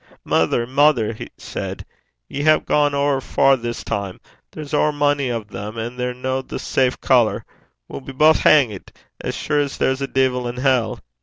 'Mither, mither,' he said, 'ye hae gane ower far this time. There's ower mony o' them, and they're no the safe colour. We'll be baith hangt, as sure's there's a deevil in hell.'